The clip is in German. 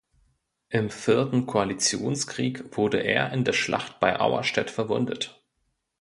Im Vierten Koalitionskrieg wurde er in der Schlacht bei Auerstedt verwundet.